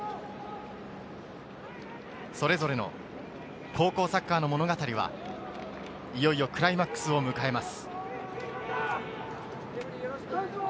それぞれの高校サッカーの物語は、いよいよクライマックスを迎えます。